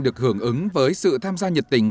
được hưởng ứng với sự tham gia nhật tình